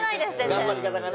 頑張り方がね。